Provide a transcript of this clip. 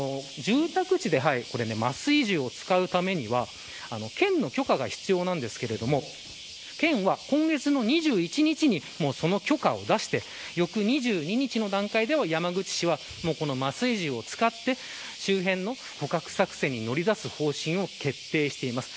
住宅地で麻酔銃を使うためには県の許可が必要なんですけれども県は、今月の２１日にその許可を出して翌２２日の段階では山口市は、この麻酔銃を使って周辺の捕獲作戦に乗り出す方針を決定しています。